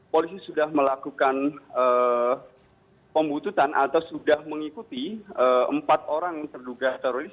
polisi sudah melakukan pembututan atau sudah mengikuti empat orang terduga teroris